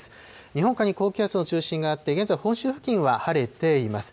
日本海に高気圧の中心があって現在、本州付近は晴れています。